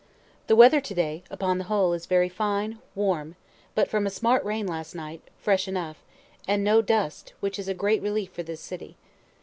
The weather to day, upon the whole, is very fine, warm, but from a smart rain last night, fresh enough, and no dust, which is a great relief for this city.